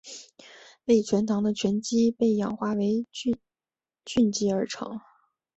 为醛糖的醛基被氧化为羧基而成。